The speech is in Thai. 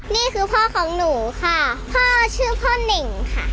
นี่คือพ่อของหนูค่ะพ่อชื่อพ่อเน่งค่ะ